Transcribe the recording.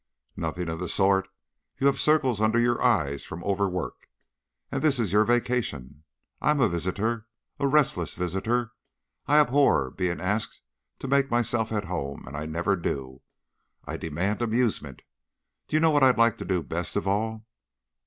"Nothing of the sort. You have circles under your eyes now from overwork, and this is your vacation. I am a visitor, a restless visitor; I abhor being asked to make myself at home, and I never do. I demand amusement. Do you know what I'd like to do best of all?"